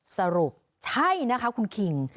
สรุปใช่นะคะคุณคิง